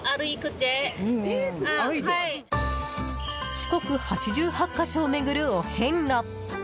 四国八十八箇所を巡るお遍路。